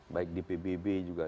baik di pbb juga